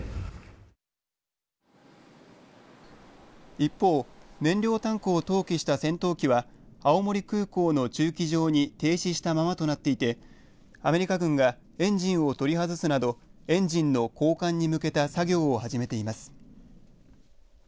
一方、燃料タンクを投棄した戦闘機は青森空港の駐機場に停止したままとなっていてアメリカ軍がエンジンを取り外すなどエンジンの交換に向けた作業を始めています。